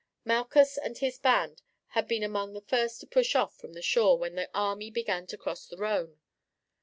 Malchus and his band had been among the first to push off from the shore when the army began to cross the Rhone.